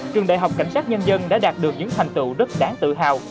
trường đại học cảnh sát nhân dân đã đạt được những thành tựu rất đáng tự hào